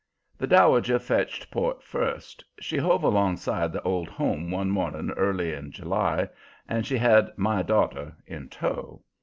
The Dowager fetched port first. She hove alongside the Old Home one morning early in July, and she had "My Daughter" in tow.